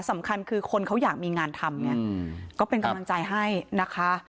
สำคัญคือคนเขาอยากมีงานทำไงก็เป็นกำลังใจให้นะคะ